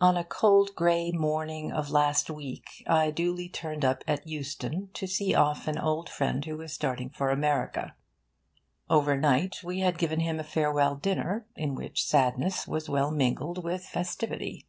On a cold grey morning of last week I duly turned up at Euston, to see off an old friend who was starting for America. Overnight, we had given him a farewell dinner, in which sadness was well mingled with festivity.